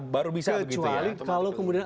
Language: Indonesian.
baru bisa begitu ya kecuali kalau kemudian